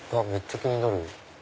めっちゃ気になる！